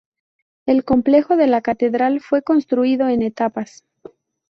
El complejo de la catedral fue construido en etapas.